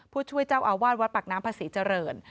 ผู้ช่วยเจ้าอาวาสวัดปากน้ำพระศรีเจริญ